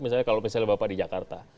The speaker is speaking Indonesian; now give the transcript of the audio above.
misalnya kalau misalnya bapak di jakarta